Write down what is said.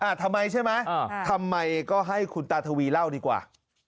ทำไมใช่ไหมอ่าทำไมก็ให้คุณตาทวีเล่าดีกว่า